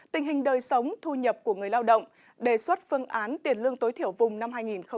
tình hình đời sống thu nhập của người lao động đề xuất phương án tiền lương tối thiểu vùng năm hai nghìn hai mươi